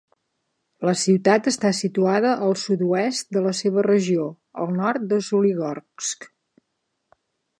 La ciutat està situada al sud-oest de la seva regió, al nord de Soligorsk.